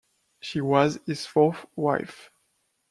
She was his fourth wife.